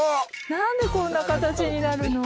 何でこんな形になるの？